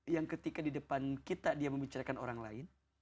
yang ketika di depan kita dia membicarakan orang lain